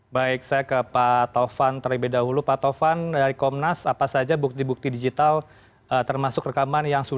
baik saya ke pak taufan terlebih dahulu pak tovan dari komnas apa saja bukti bukti digital termasuk rekaman yang sudah